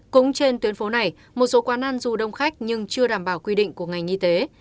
cũng trên tuyến phố này một số quán ăn dù đông khách nhưng chưa đảm bảo quy định của ngành y tế